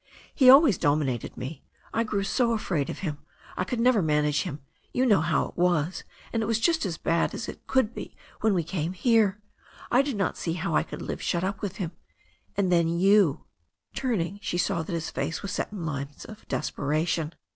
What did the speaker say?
He always dominated me. I grew so afraid of him. I could never manage him — ^you know how I was — ^and it was just as bad as it could be when we came here. I did not see how I could live shut up with him — ^and then you '* Turning, she saw that his face was set in lines of despera tion.